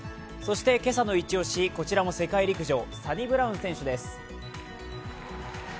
今朝の一押し、こちらも世界陸上、サニブラウン選手です。